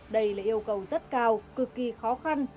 đây là yêu cầu rất cao cực kỳ khó khăn